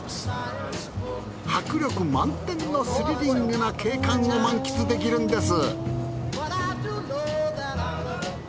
迫力満点のスリリングな景観を満喫できるんです。